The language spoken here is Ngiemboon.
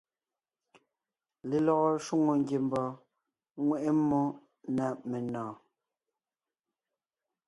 Lelɔgɔ shwòŋo ngiembɔɔn ŋweʼe mmó na menɔ̀ɔn.